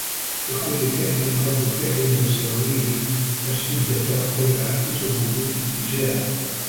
لكل فعل رد فعل يساويه الشدة و يعاكسه في الإتجاه